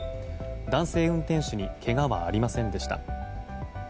男性運転手にけがはありませんでした。